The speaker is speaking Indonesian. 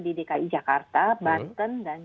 di dki jakarta banten dan